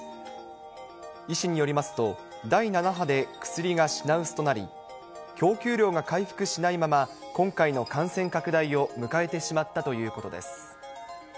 医師によりますと、第７波で薬が品薄となり、供給量が回復しないまま、今回の感染拡大を迎えてしまったということです。